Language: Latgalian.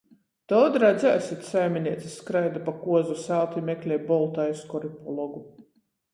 "Tod redziesit!" saimineicys skraida pa kuozu sātu i meklej boltu aizkoru i pologu.